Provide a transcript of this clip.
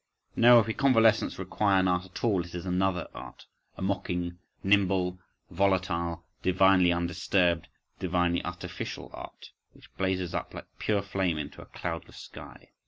No: if we convalescents require an art at all, it is another art— a mocking, nimble, volatile, divinely undisturbed, divinely artificial art, which blazes up like pure flame into a cloudless sky!